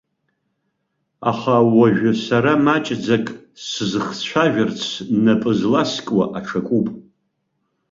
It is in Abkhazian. Аха уажәы сара маҷӡак сзыхцәажәарц напы зласкуа аҽакуп.